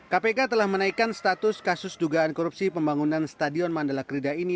kpk telah menaikkan status kasus dugaan korupsi pembangunan stadion mandala kerida ini